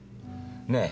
ねえ。